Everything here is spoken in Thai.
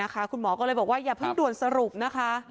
คุณหมอก็เลยบอกว่าอย่าเพิ่งด่วนสรุปนะคะ